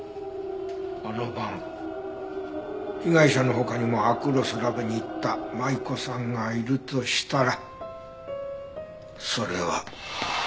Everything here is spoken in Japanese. あの晩被害者の他にもアクロスラボに行った舞子さんがいるとしたらそれは。